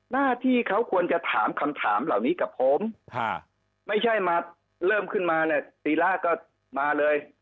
หน้าที่เขาควรจะถามคำถามเหล่านี้กับผมไม่ใช่มาเริ่มขึ้นมาเนี่ยตีราชก็มาเลย